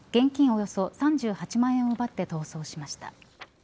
およそ３８万円を奪って逃走しました。